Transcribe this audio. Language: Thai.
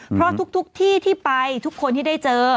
เพราะทุกที่ที่ไปทุกคนที่ได้เจอ